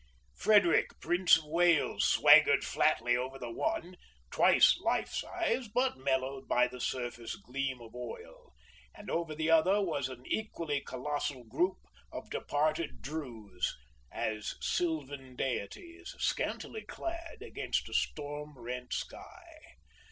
Frederick, Prince of Wales, swaggered flatly over the one, twice life size, but mellowed by the surface gleam of oil; and over the other was an equally colossal group of departed Drews as sylvan deities, scantily clad, against a storm rent sky.